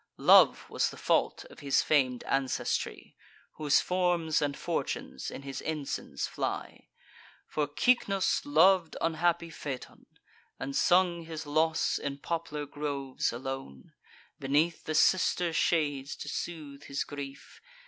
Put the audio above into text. Love was the fault of his fam'd ancestry, Whose forms and fortunes in his ensigns fly. For Cycnus lov'd unhappy Phaeton, And sung his loss in poplar groves, alone, Beneath the sister shades, to soothe his grief.